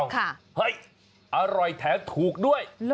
ค่ะเฮ้ยอร่อยแท้ถูกด้วย